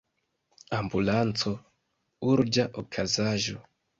Ambulanco: Urĝa okazaĵo.